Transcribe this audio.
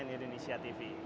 cnn indonesia tv